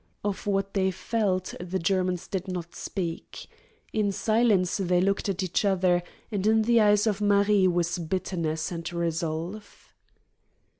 Of what they felt the Germans did not speak. In silence they looked at each other, and in the eyes of Marie was bitterness and resolve.